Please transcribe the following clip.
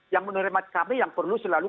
yang menerima kami yang perlu selalu